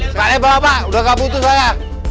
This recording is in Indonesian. sekali bawa pak udah gak butuh saya